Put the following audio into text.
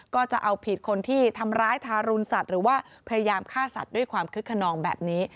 ก็จะเอาผิดคนที่ทำร้ายทารุณสัตว์หรือว่าพยายามฆ่าสัตว์ด้วยความคึกขนองแบบนี้